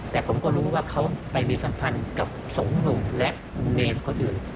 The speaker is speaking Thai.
แต่ผมก็รู้ว่าเขาไปมีสัมพันธ์กับสองหนุ่มและเนรคนอื่น